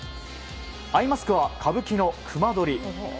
アイマスクは歌舞伎の隈取り。